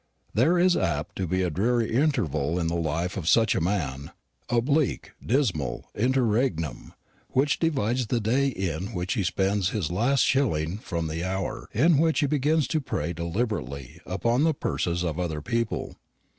There is apt to be a dreary interval in the life of such a man a blank dismal interregnum, which divides the day in which he spends his last shilling from the hour in which he begins to prey deliberately upon the purses of other people.